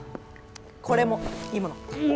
これもいいもの。